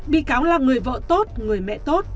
bị cáo là người vợ tốt người mẹ tốt